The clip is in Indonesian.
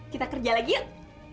kita kerja lagi yuk